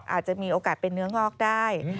อาจจะมีโอกาสเป็นเนื้องอกได้